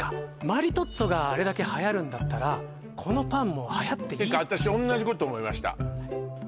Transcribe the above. マリトッツォがあれだけはやるんだったらこのパンもはやっていいてか私同じこと思いました